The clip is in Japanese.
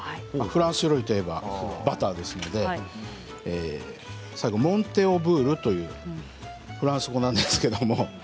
フランス料理といえばバターですので最後、モンテオブールというフランス語です。